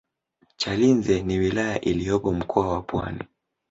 chalinze ni wilaya iliyopo mkoa wa pwani